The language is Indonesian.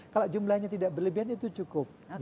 kalau jumlahnya tidak berlebihan itu cukup